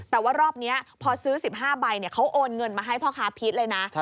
แต่ว่ารอบนี้พอซื้อ๑๕ใบเขาโอนเงินมาให้พ่อค้าพีชเลยนะ